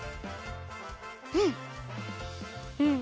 うん！